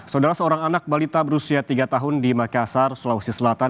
saudara seorang anak balita berusia tiga tahun di makassar sulawesi selatan